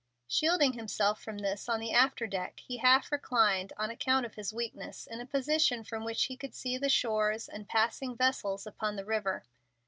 Shielding himself from this on the after deck, he half reclined, on account of his weakness, in a position from which he could see the shores and passing vessels upon the river.